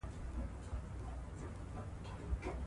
ليکوال چې د هندوستان له هـيواد څخه ليدنه کړى.